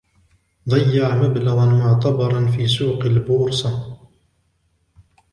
ضيع مبلغا معتبرا في سوق البورصة.